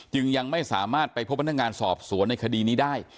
ยังไม่สามารถไปพบพนักงานสอบสวนในคดีนี้ได้